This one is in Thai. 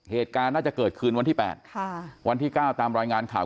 เหตุการณ์น่าจะเกิดขึ้นวันที่๘ค่ะวันที่๙ตามรายงานข่าว